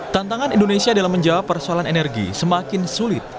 tantangan indonesia dalam menjawab persoalan energi semakin sulit